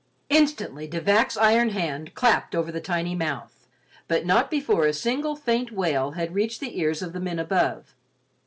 Instantly De Vac's iron hand clapped over the tiny mouth, but not before a single faint wail had reached the ears of the men above.